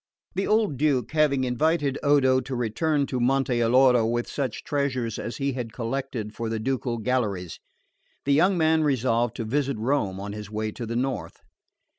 The old Duke having invited Odo to return to Monte Alloro with such treasures as he had collected for the ducal galleries, the young man resolved to visit Rome on his way to the North.